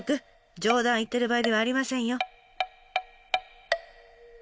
冗談言ってる場合ではありませんよ。